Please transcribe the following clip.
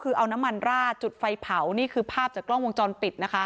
คือเอาน้ำมันราดจุดไฟเผานี่คือภาพจากกล้องวงจรปิดนะคะ